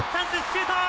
シュート！